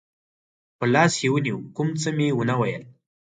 په لاس کې ونیو، کوم څه مې و نه ویل.